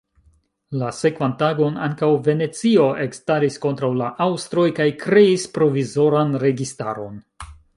La sekvan tagon ankaŭ Venecio ekstaris kontraŭ la aŭstroj kaj kreis provizoran registaron.